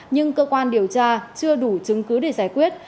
nhưng cơ quan điều tra chưa đủ chứng cứ để giải quyết